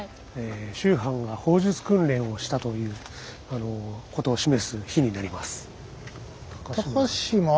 秋帆が砲術訓練をしたということを示す碑になります。